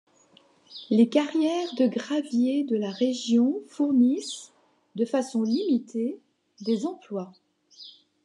Les carrières de gravier de la région fournissent, de façon limitée, des emplois.